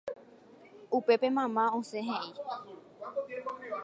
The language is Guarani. Upépe mamá osẽ he'i